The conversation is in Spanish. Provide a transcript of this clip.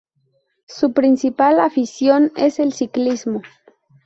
Su principal afición es el ciclismo.